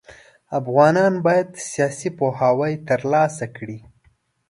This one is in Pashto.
افغانان بايد سياسي پوهاوی ترلاسه کړي.